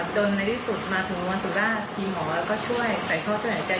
จนในที่สุดมาถึงโรงพยาบาลสุราชทีมหมอแล้วก็ช่วยใส่เขาช่วยหายใจ